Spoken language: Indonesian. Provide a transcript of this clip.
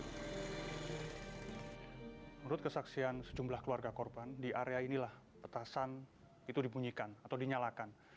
menurut kesaksian sejumlah keluarga korban di area inilah petasan itu dibunyikan atau dinyalakan